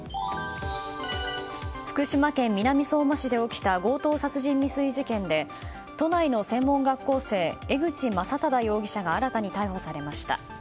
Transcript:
福島県南相馬市で起きた強盗殺人未遂事件で都内の専門学校生江口将タダ容疑者が新たに逮捕されました。